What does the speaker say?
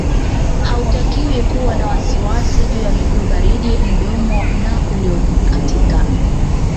Hautakiwi kuwa na wasiwasi juu ya miguu baridi mdomo na uliokatika